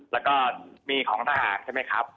แล้วก็มีของทหารใช่ไหมครับ